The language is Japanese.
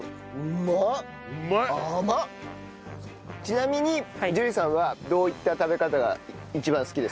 ちなみに樹里さんはどういった食べ方が一番好きですか？